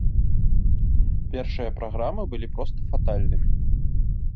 Першыя праграмы былі проста фатальнымі.